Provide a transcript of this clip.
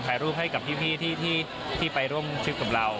ถ่ายรูปให้กับพี่ที่ไปร่วมทริปกับเรา